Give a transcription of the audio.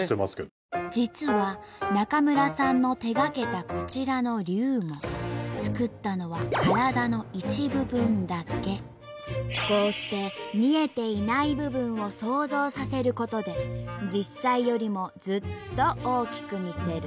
実は中村さんの手がけたこちらの竜も作ったのはこうして見えていない部分を想像させることで実際よりもずっと大きく見せる。